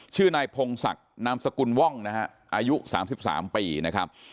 ชื่อนายพงศักดิ์นามสกุลว่องนะฮะอายุ๓๓ปีนะครับ